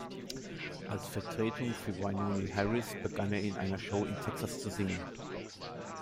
Als Vertretung für Wynonie Harris begann er in einer Show in Texas zu singen.